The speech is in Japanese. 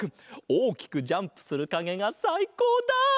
おおきくジャンプするかげがさいこうだ！